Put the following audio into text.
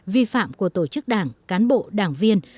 vi phạm của tổ chức đảng cán bộ đảng viên